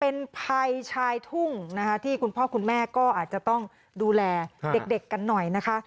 เป็นภัยชายทุ่งนะคะที่คุณพ่อคุณแม่ก็อาจจะต้องดูแลเด็กกันหน่อยนะคะ